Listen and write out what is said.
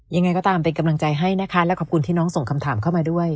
ยังไงก็ตามเป็นกำลังใจให้นะคะและขอบคุณที่น้องส่งคำถามเข้ามาด้วย